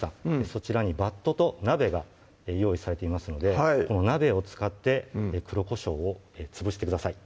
そちらにバットと鍋が用意されていますのでこの鍋を使って黒こしょうを潰してください